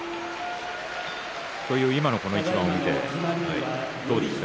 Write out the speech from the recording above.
今のこの一番を見てどうですか？